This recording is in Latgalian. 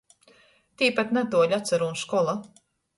Tīpat natuoli atsarūn škola.